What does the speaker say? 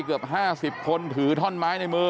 เกือบ๕๐คนถือท่อนไม้ในมือ